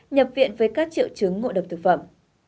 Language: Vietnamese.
nhập viện với các triệu chứng ngộ độc thực phẩm